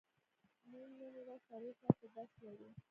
موږ نن ورځ څلور ساعته درس لرو.